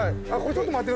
ちょっと待って。